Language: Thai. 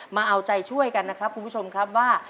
มาเอาใจช่วยกันนะครับคุณผู้ชมครับว่า